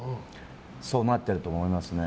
そうなっていると思いますね。